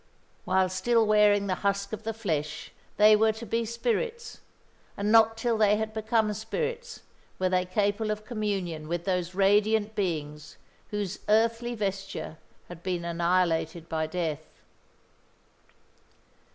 While still wearing the husk of the flesh, they were to be spirits; and not till they had become spirits were they capable of communion with those radiant beings whose earthly vesture had been annihilated by death.